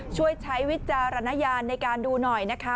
ช่วยใช้วิจารณญาณในการดูหน่อยนะคะ